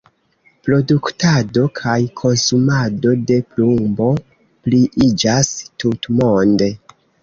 Produktado kaj konsumado de plumbo pliiĝas tutmonde.